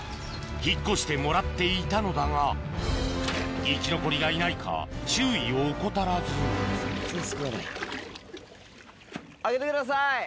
引っ越してもらっていたのだが生き残りがいないか注意を怠らず上げてください。